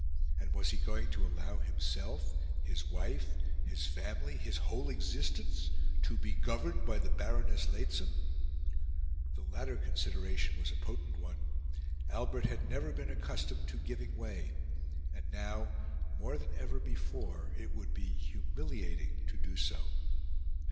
And was he going to allow himself, his wife, his family, his whole existence, to be governed by Baroness Lehzen? The latter consideration was a potent one. Albert had never been accustomed to giving way; and now, more than ever before, it would be humiliating to do so.